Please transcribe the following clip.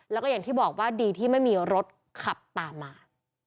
แล้วก็อย่างที่บอกว่าดีที่ไม่มีรถขับตามมา